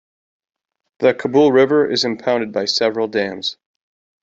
The Kabul River is impounded by several dams.